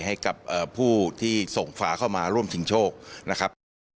ให้กับผู้ที่ส่งฝาเข้ามาร่วมชิงโชคนะครับ